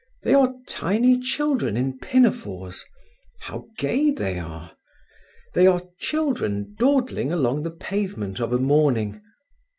"They are tiny children in pinafores. How gay they are! They are children dawdling along the pavement of a morning.